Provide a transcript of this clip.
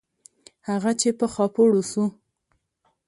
هغه چې په خاپوړو سو.